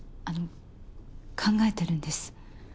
あの考えてるんです。